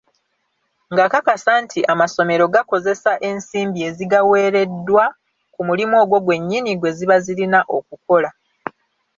Ng'akakasa nti amasomero gakozesa ensimbi ezigaweereddwa ku mulimu ogwo gwennyini gwe ziba zirina okukola.